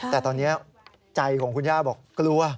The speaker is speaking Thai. แต่ตอนนี้ใจของคุณย่าบอกกลัว